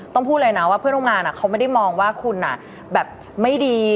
ต้องพูดเลยนะเพื่อนโรงงานไม่ได้มองว่าคุณไม่ดี